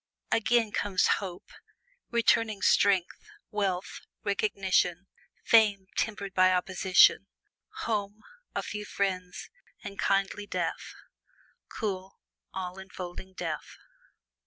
Again comes hope returning strength, wealth, recognition, fame tempered by opposition, home, a few friends, and kindly death cool, all enfolding death.